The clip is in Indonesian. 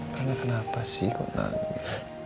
karena kenapa sih kau nangis